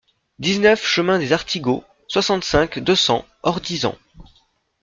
dix-neuf chemin des Artigaux, soixante-cinq, deux cents, Ordizan